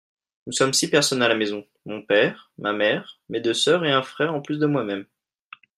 Nous sommes six personnes à la maison. Mon père, ma mère, mes deux sœurs et un frère en plus de moi-même.